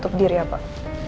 untuk diri ya pak